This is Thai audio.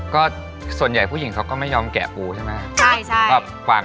ก็ส่วนใหญ่ผู้หญิงเขาก็ไม่ยอมแกะปูใช่ไหม